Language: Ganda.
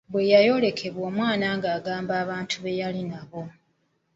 Bwe yayolekebwa omwana n'agamba abantu be yali nabo.